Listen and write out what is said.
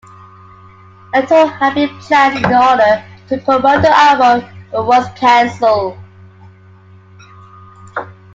A tour had been planned in order to promote the album, but was canceled.